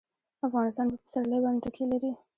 افغانستان په پسرلی باندې تکیه لري.